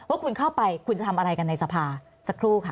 ว่าคุณเข้าไปคุณจะทำอะไรกันในสภาสักครู่ค่ะ